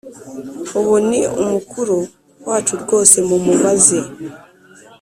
Ubu ni umukuru wacu rwose mumubaze